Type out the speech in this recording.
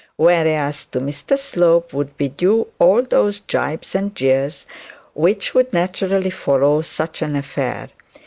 Whereas Mr Slope would be due all those jibes and jeers which would naturally follow such an affair.